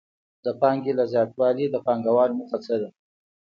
د پانګې له زیاتوالي د پانګوال موخه څه ده